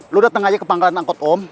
lo dateng aja ke pangkalan angkot om